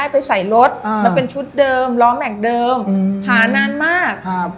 ไปใส่รถอ่ามันเป็นชุดเดิมล้อแม็กซ์เดิมหานานมากครับ